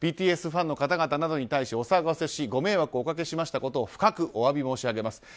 ＢＴＳファンの方々などに対しお騒がせしご迷惑おかけしたことを深くお詫び申し上げます。